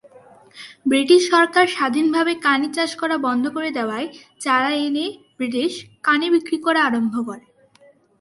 British সরকার স্বাধীনভাবে কানি চাষ করা বন্ধ করে দেওয়ায় চারা এনে ব্রিটিশ কানি বিক্রী করা আরম্ভ করে।